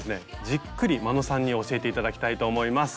じっくり眞野さんに教えて頂きたいと思います。